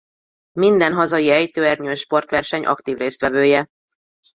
Minden hazai ejtőernyős sportverseny aktív résztvevője.